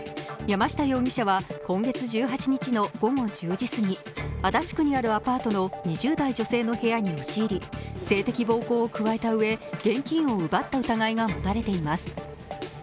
山下容疑者は今月１８日の午後１０時過ぎ、足立区にあるアパートの２０代女性の部屋に押し入り性的暴行を加えたうえ、現金を奪った疑いが持たれています。